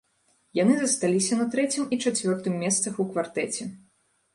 Яны засталіся на трэцім і чацвёртым месцах у квартэце.